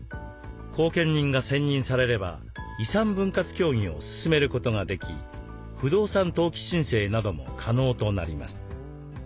後見人が選任されれば遺産分割協議を進めることができ不動産登記申請なども可能となります。